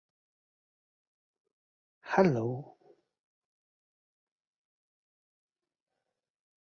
An interesting feature of its crystals are the cyclic twins called "trillings".